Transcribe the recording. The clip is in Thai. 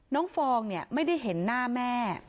น้องฟองไม่ได้เห็นหน้าแม่